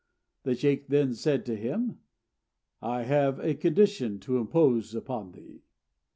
The sheykh then said to him, "I have a condition to impose upon thee."